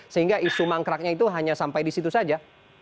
sehingga isu mangkraknya itu hanya sampai di situ saja